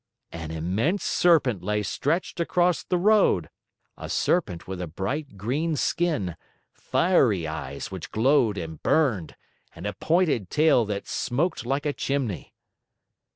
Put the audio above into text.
An immense Serpent lay stretched across the road a Serpent with a bright green skin, fiery eyes which glowed and burned, and a pointed tail that smoked like a chimney.